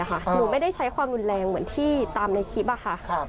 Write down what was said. หนูไม่ได้ใช้ความรุนแรงเหมือนที่ตามในคลิปค่ะ